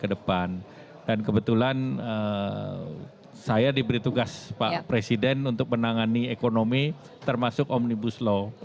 kedepan dan kebetulan saya diberi tugas pak presiden untuk menangani ekonomi termasuk omnibus law